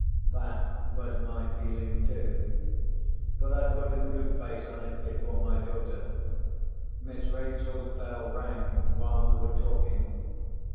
That was my feeling too. But I put a good face on it, before my daughter. Miss Rachel's bell rang while we were talking.